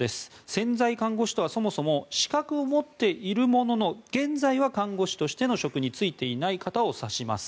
潜在看護師とはそもそも資格を持っているものの現在は看護師としての職に就いていない方を指します。